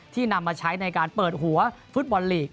นำมาใช้ในการเปิดหัวฟุตบอลลีก